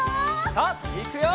さあいくよ！